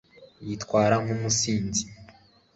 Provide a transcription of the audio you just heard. yitwara nk'umusinzi